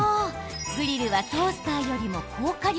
グリルはトースターよりも高火力。